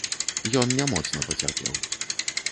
Ён не моцна пацярпеў.